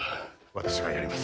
私がやります